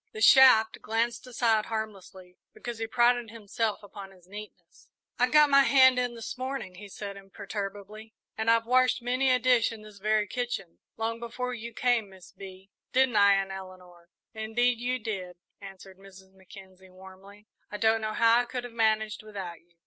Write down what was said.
The shaft glanced aside harmlessly, because he prided himself upon his neatness. "I got my hand in this morning," he said imperturbably, "and I've washed many a dish in this very kitchen, long before you came, Miss Bee; didn't I, Aunt Eleanor?" "Indeed you did," answered Mrs. Mackenzie, warmly. "I don't know how I could have managed without you."